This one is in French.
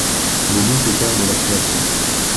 Le doute est père de la création.